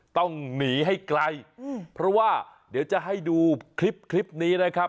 ต้องหนีให้ไกลเพราะว่าเดี๋ยวจะให้ดูคลิปคลิปนี้นะครับ